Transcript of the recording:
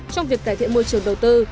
trong việc cải thiện môi trường đầu tư